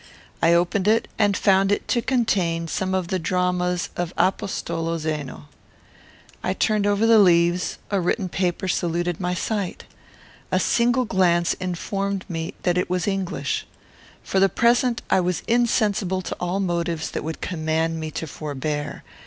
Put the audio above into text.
I opened it, and found it to contain some of the Dramas of Apostolo Zeno. I turned over the leaves; a written paper saluted my sight. A single glance informed me that it was English. For the present I was insensible to all motives that would command me to forbear.